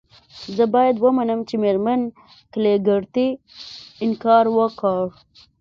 زه باید ومنم چې میرمن کلیګرتي انکار وکړ